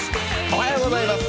おはようございます。